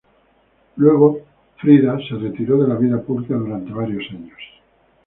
Luego Frida se retiró de la vida pública durante varios años.